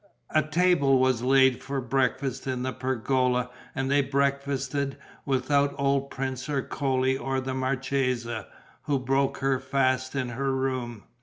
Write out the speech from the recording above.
A table was laid for breakfast in the pergola; and they breakfasted without old Prince Ercole or the marchesa, who broke her fast in her room.